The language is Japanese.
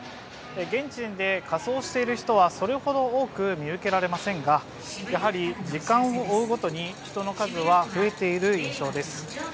現時点で仮装している人は、それほど多く見受けられませんが、やはり時間を追うごとに人の数は増えている印象です。